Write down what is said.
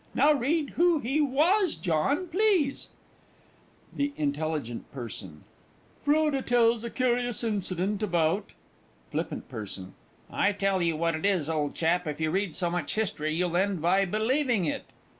Now read who he was, John, please. THE INT. PERSON. Froude tells a curious incident about FLIPPANT P. I tell you what it is, old chap, if you read so much history, you'll end by believing it!